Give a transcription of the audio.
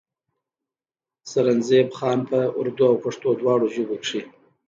سرنزېب خان پۀ اردو او پښتو دواړو ژبو کښې